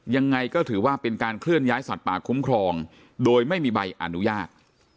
ยังไงก็ถือว่าเป็นการเคลื่อนย้ายสัตว์ป่าคุ้มครองโดยไม่มีใบอนุญาต